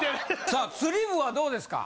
さあ釣り部はどうですか？